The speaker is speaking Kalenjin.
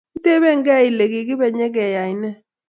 Itebekei Ile kikibe nyikeyai ne